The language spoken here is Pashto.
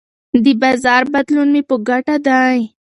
د بازار بدلون مې په ګټه دی.